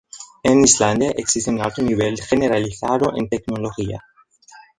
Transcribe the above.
En Islandia existe un alto nivel generalizado en tecnología.